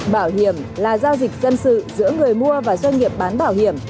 bảo hiểm là giao dịch dân sự giữa người mua và doanh nghiệp bán bảo hiểm